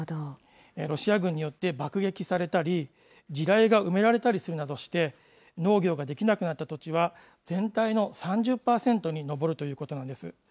ロシア軍によって爆撃されたり、地雷が埋められたりするなどして、農業ができなくなった土地は、全体の３０％に上るということなんです。